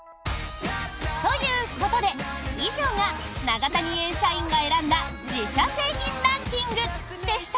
ということで、以上が永谷園社員が選んだ自社製品ランキングでした！